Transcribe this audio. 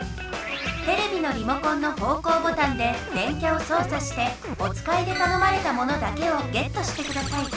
テレビのリモコンのほうこうボタンで電キャをそうさしておつかいでたのまれたものだけをゲットしてください。